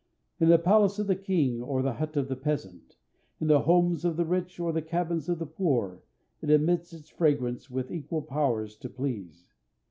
In the palace of the king or the hut of the peasant, in the homes of the rich or the cabins of the poor it emits its fragrance with equal powers to please.